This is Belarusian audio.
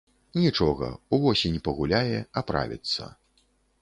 Нічога, увосень пагуляе, аправіцца.